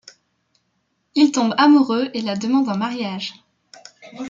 Il tombe amoureux et la demande en mariage.